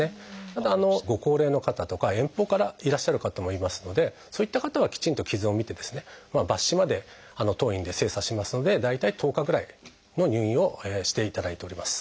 ただご高齢の方とか遠方からいらっしゃる方もいますのでそういった方はきちんと傷を診て抜糸まで当院で精査しますので大体１０日ぐらいの入院をしていただいております。